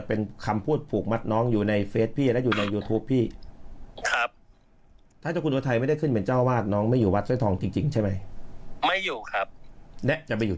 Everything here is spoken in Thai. ก็มันก็มีสองอย่างฮะถ้าไม่อยู่เป็นพระก็อยู่เป็นคารวาสครับพระอาจารย์